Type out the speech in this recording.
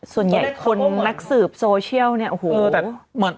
ส่วนใหญ่คนนักสืบโซเชียลเนี่ยโอ้โห